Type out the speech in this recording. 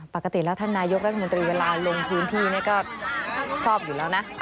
ปกติแล้วท่านนายกรัฐมนตรีเวลาลงพื้นที่นี่ก็ชอบอยู่แล้วนะ